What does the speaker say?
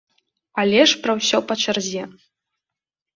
Але ж пра ўсё па чарзе.